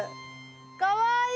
かわいい！